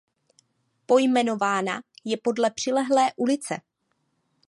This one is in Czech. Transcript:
Pojmenována je podle přilehlé ulice.